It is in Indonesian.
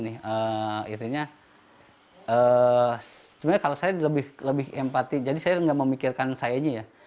sebenarnya kalau saya lebih empati jadi saya tidak memikirkan saya ini ya